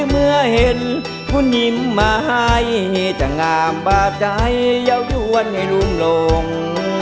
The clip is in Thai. เมื่อเห็นคุณยิ้มมาให้จะงามบาปใจเยาวยวนให้ลุมลง